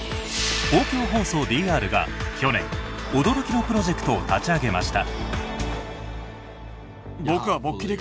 公共放送ＤＲが去年驚きのプロジェクトを立ち上げました。